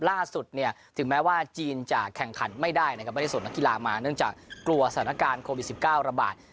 ล่าสุดเนี่ยถึงแม้ว่าจีนจะแข่งขันไม่ได้นะครับไม่ได้ส่งนักกีฬามาเนื่องจากกลัวสถานการณ์โควิด๑๙ระบาด